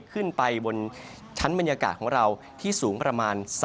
ขึ้นไปบนชั้นบรรยากาศของเราที่สูงประมาณ๓๐กิโลเมตรนะครับ